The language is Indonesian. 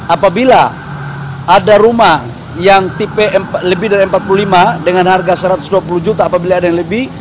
apabila ada rumah yang tipe lebih dari empat puluh lima dengan harga satu ratus dua puluh juta apabila ada yang lebih